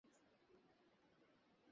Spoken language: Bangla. বিয়ে করব না বলে হঠাৎ পণ করে বোসো না।